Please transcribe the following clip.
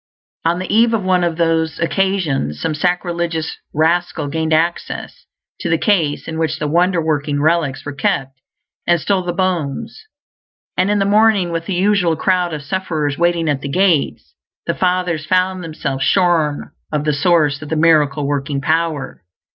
On the eve of one of these occasions, some sacrilegious rascal gained access to the case in which the wonder working relics were kept and stole the bones; and in the morning, with the usual crowd of sufferers waiting at the gates, the fathers found themselves shorn of the source of the miracle working power.